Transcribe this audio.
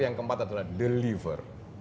yang keempat adalah deliver